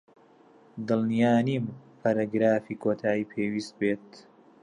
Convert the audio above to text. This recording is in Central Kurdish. دڵنیا نیم پەرەگرافی کۆتایی پێویست بێت.